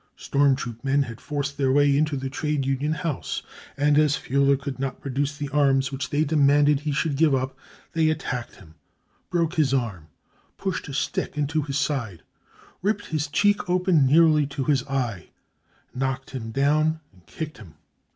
Storm troop men had forced their way into the Trade Union House, and as Fuhler could not produce the arms which they de manded he should give up, they attacked him , broke his arm, pushed a stick into his side, ripped his cheek open nearly to his eye, knocked him down and kicked him.